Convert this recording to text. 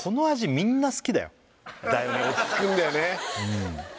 みんな好きだよだよね落ち着くんだよね